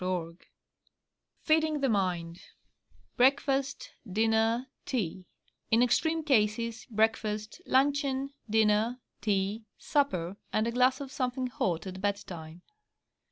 _ FEEDING THE MIND Breakfast, dinner, tea; in extreme cases, breakfast, luncheon, dinner, tea, supper, and a glass of something hot at bedtime.